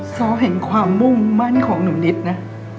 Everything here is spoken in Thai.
ซ้อเห็นความมุ่งมั่นของหนูนิดนะ